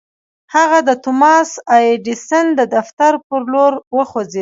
هغه د توماس اې ايډېسن د دفتر پر لور وخوځېد.